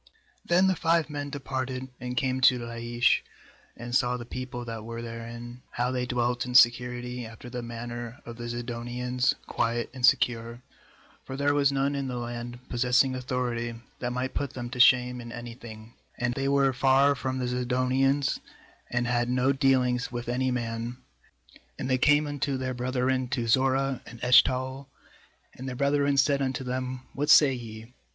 7Then the five men departed^ and came to Laish, and saw the people that were therein, how they dwelt in security, after the manner of the Zidonians, quiet and secure; for there was none in the land, possessing authority, that might put them to shame in any thing, and they were far from the Zidonians, and had no dealings with any man. 8And they came unto their brethren to Zorah and Eshtaol; and their brethren said unto them: 'What say ye?'